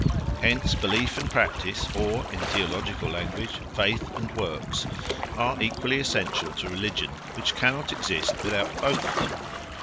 Hence belief and practice or, in theological language, faith and works are equally essential to religion, which cannot exist without both of them.